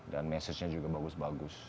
dan message nya juga bagus bagus